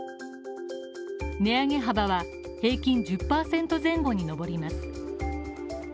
値上げ幅は平均１０％前後にのぼります。